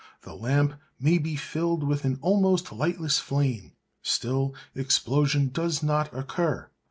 The lamp may be filled with an almost lightless flame; still explosion does not occur.